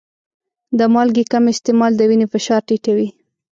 د مالګې کم استعمال د وینې فشار ټیټوي.